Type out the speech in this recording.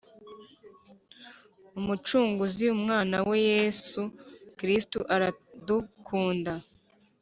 Umu cunguzi umwana we yesu kristo aradukunda